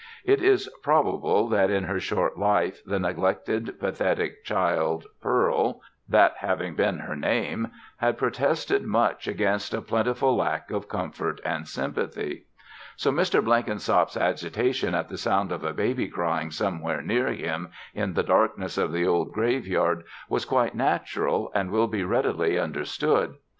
It is probable that, in her short life, the neglected, pathetic child Pearl that having been her name had protested much against a plentiful lack of comfort and sympathy. So Mr. Blenkinsop's agitation at the sound of a baby crying somewhere near him, in the darkness of the old graveyard, was quite natural and will be readily understood.